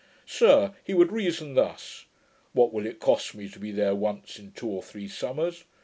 Sir, he would reason thus: "What will it cost me to be there once in two or three summers?